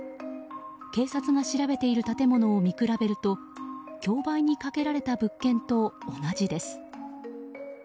警察が調べている建物を見比べると競売にかけられた物件と同じです。